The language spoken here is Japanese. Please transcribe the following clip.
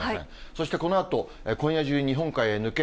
そしてこのあと、今夜中に日本海へ抜け、